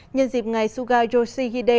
nhân dịp ngày suga yoshihide